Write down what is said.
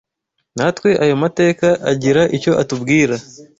natwe ayo mateka agira icyo atubwira